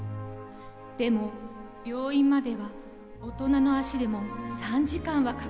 でも病院までは大人の足でも３時間はかかります。